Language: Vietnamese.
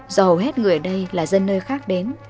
hầu hết người ở đây là dân nơi khác đến